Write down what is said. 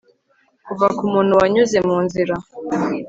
kuva kumuntu wanyuze munzira